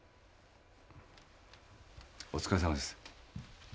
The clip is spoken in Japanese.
おつかれさまです。